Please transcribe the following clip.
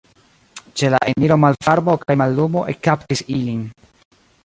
Ĉe la eniro malvarmo kaj mallumo ekkaptis ilin.